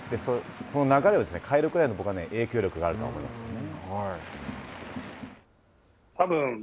その流れを変えるくらいの、僕は影響力があると思いますね。